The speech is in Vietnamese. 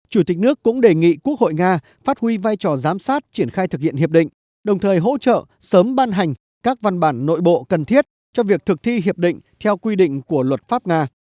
chủ tịch nước cũng đề nghị quốc hội nga phát huy vai trò giám sát triển khai thực hiện hiệp định đồng thời hỗ trợ sớm ban hành các văn bản nội bộ cần thiết cho việc thực thi hiệp định theo quy định của luật pháp nga